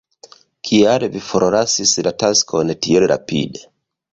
Kial vi forlasis la taskon tiel rapide?